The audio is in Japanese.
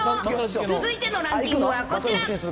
続いてのランキングはこちら。